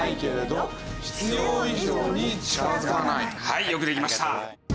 はいよくできました。